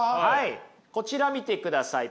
こちら見てください。